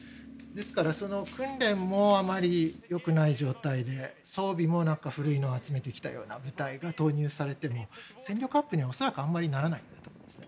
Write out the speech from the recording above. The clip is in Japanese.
ですから訓練もあまりよくない状態で装備も古いのを集めてきたような部隊が投入されても戦力に恐らくあまりならないと思うんですよ。